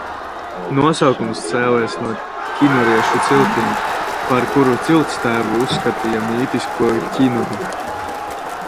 Nosaukums cēlies no kinuriešu ciltīm, par kuru ciltstēvu uzskatīja mītisko Kinuru.